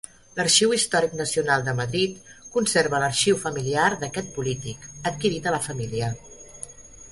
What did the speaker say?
L'Arxiu Històric Nacional de Madrid conserva l'arxiu familiar d'aquest polític, adquirit a la família.